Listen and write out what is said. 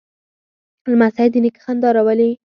لمسی د نیکه خندا راولي.